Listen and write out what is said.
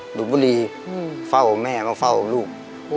ดูดบุรีเฝ้าแม่มาเฝ้าลูก